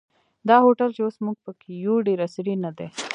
دا هوټل چې اوس موږ په کې یو ډېر عصري نه دی.